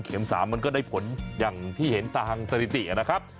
๓มันก็ได้ผลอย่างที่เห็นตามสถิตินะครับ